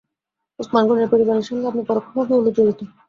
ওসমান গনির পরিবারের সঙ্গে আপনি পরোক্ষভাবে হলেও জড়িত।